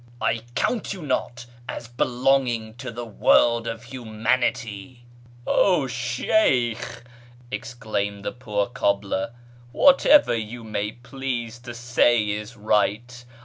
I count you not as belonging to the world of humanity !"" 0 Sheykh !" exclaimed the poor cobbler, " Whatever you may please to say is right.